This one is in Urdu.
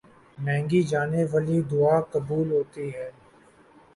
مانگی جانے والی دعا قبول ہوتی ہے۔